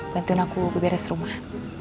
bantuin aku beres rumah